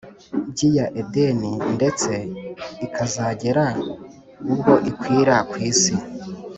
byi ya Edeni ndetse ikazagera ubwo ikwira ku isi